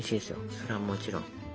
それはもちろん。